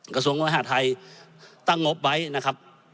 กระทรวงมหาทัยตั้งงบไว้นะครับ